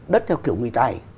đất theo kiểu người tài